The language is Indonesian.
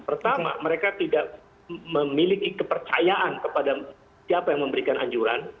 pertama mereka tidak memiliki kepercayaan kepada siapa yang memberikan anjuran